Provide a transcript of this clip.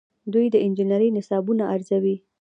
دوی د انجنیری نصابونه ارزوي.